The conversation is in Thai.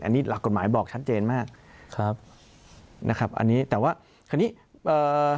อันนี้หลักกฎหมายบอกชัดเจนมากครับนะครับอันนี้แต่ว่าคราวนี้เอ่อ